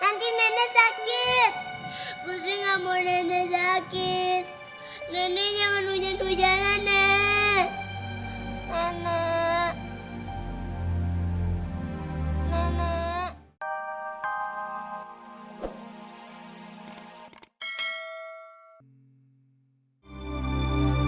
nanti nenek sakit putri ngamon enek sakit neneknya ujian ujian nek anak anak